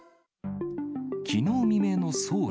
きのう未明のソウル。